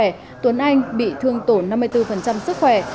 hậu quả làm tùng anh bị thương tổn năm mươi bốn sức khỏe